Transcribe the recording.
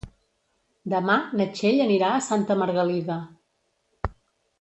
Demà na Txell anirà a Santa Margalida.